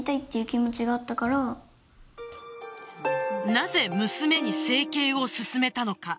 なぜ娘に整形を勧めたのか。